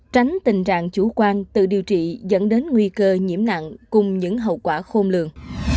tránh tình trạng chủ quan tự điều trị dẫn đến nguy cơ nhiễm nặng cùng những hậu quả khôn lượng